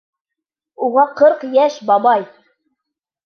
Уға ҡырҡ йәш, бабай!